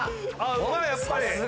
うまいやっぱり！